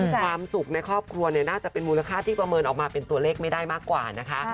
ความสุขในครอบครัวน่าจะเป็นมูลค่าที่ประเมินออกมาเป็นตัวเลขไม่ได้มากกว่านะคะ